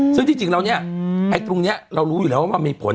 ซึ่งที่จริงแล้วเนี่ยไอ้ตรงนี้เรารู้อยู่แล้วว่ามันมีผล